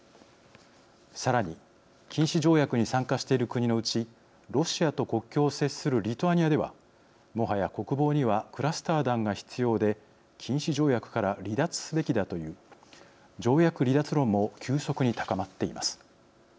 さらに禁止条約に参加している国のうちロシアと国境を接するリトアニアではもはや国防にはクラスター弾が必要で禁止条約から離脱すべきだという条約離脱論も急速に高まっています。